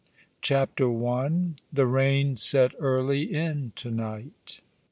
CHAPTER L "the bain set early in to night."